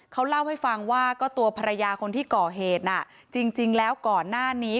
เขาเล่าให้ฟังว่าก็ตัวภรรยาคนที่ก่อเหตุน่ะจริงแล้วก่อนหน้านี้